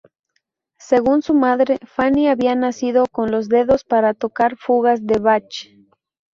Según su madre, Fanny había nacido "con los dedos para tocar fugas de Bach".